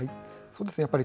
そうですね